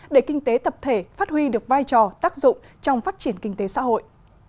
để kinh tế tập thể phát huy được vai trò tác dụng trong phát triển kinh tế xã hội